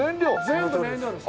全部燃料です。